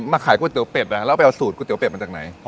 มาขายก๋วยเตี๋ยวเป็ดแล้วแล้วไปเอาสูตรก๋วยเตี๋ยวเป็ดมาจากไหน